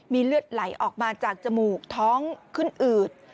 มีเลือดไหลออกมาจากจมูกท้องขึ้นอืด